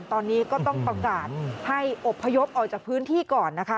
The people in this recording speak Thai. ตอนนี้ก็ต้องประกาศให้อบพยพออกจากพื้นที่ก่อนนะคะ